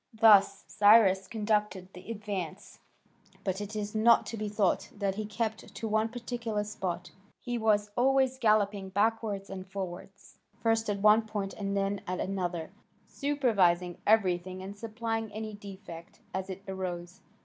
Thus Cyrus conducted the advance, but it is not to be thought that he kept to one particular spot; he was always galloping backwards and forwards, first at one point and then at another, supervising everything and supplying any defect as it arose.